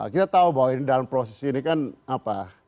kita tahu bahwa ini dalam proses ini kan apa